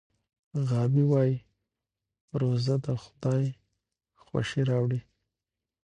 غابي وایي روژه د خدای خوښي راوړي.